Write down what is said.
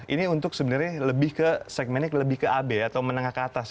ini untuk sebenarnya segmennya lebih ke ab atau menengah ke atas ya